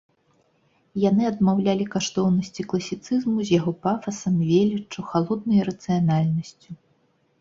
Яны адмаўлялі каштоўнасці класіцызму з яго пафасам, веліччу, халоднай рацыянальнасцю.